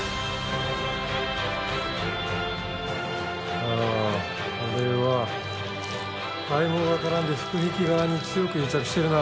あーこれは体網が絡んで腹壁側に強く癒着してるな。